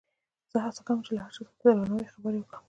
زه هڅه کوم چې له هر چا سره په درناوي خبرې وکړم.